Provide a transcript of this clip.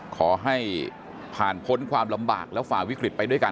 ขอให้ผ่านพ้นความลำบากแล้วฝ่าวิกฤตไปด้วยกัน